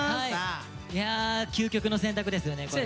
いや究極の選択ですよねこれ。